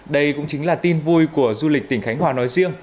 đây cũng chính là tin vui của du lịch tỉnh khánh hòa nói riêng